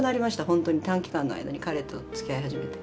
ほんとに短期間の間に彼とつきあい始めて。